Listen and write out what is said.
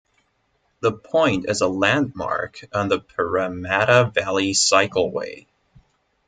The point is a landmark on the Parramatta Valley Cycleway.